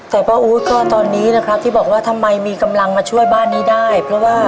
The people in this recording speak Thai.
แต่ป้าอู๊ดก็ตอนนี้นะครับที่บอกว่าทำไมมีกำลังมาช่วยบ้านนี้ได้เพราะว่า